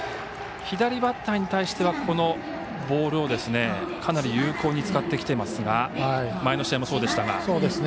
左バッターに対してはこのボールをかなり有効に使ってきていますが前の試合もそうでしたが。